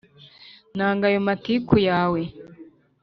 nanga ayo matiku yawe